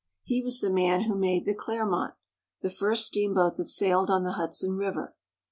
He was the man who made the Clermont^ the first steamboat that sailed on the Hudson River.